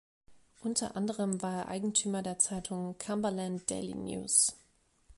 Unter anderem war er Eigentümer der Zeitung "Cumberland Daily News”.